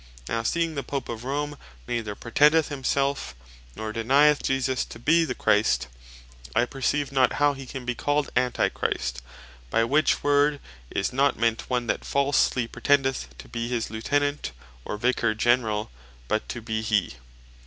Now seeing the Pope of Rome, neither pretendeth himself, nor denyeth Jesus to be the Christ, I perceive not how he can be called Antichrist; by which word is not meant, one that falsely pretendeth to be His Lieutenant, or Vicar Generall, but to be Hee.